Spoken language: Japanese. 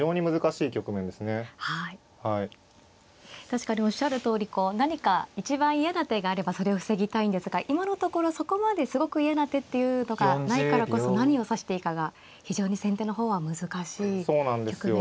確かにおっしゃるとおりこう何か一番嫌な手があればそれを防ぎたいんですが今のところそこまですごく嫌な手っていうのがないからこそ何を指していいかが非常に先手の方は難しい局面なんですね。